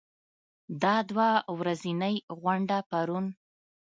دا دوه ورځنۍ غونډه پرون